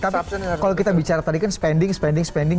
tapi kalau kita bicara tadi kan spending spending spending